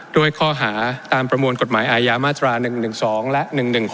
ด้วยข้อหาตามประมวลกฎหมายอาญามาตรา๑๑๒และ๑๑๖